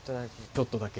ちょっとだけ。